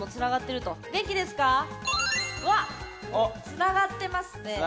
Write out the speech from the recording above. つながってます！